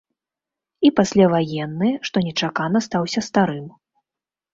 І пасляваенны, што нечакана стаўся старым.